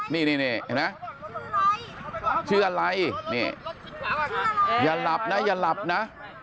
นี่เห็นไหมชื่ออะไรนี่อย่าหลับนะอย่าหลับนะ